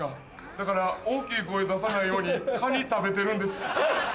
だから大きい声出さないようにカニ食べてるんです。